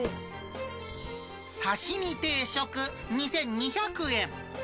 さしみ定食２２００円。